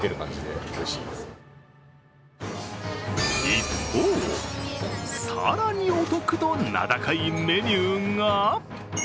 一方、更にお得と名高いメニューが。